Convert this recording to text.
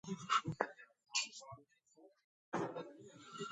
ძირითადი რელიგიაა პროტესტანტიზმი.